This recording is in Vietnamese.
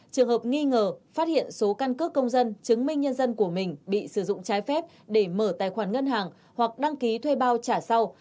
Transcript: trường hợp nghi ngờ phát hiện số căn cước công dân chứng minh nhân dân của mình bị sử dụng trái phép để mở tài khoản ngân hàng hoặc đăng ký thuê bao trả sau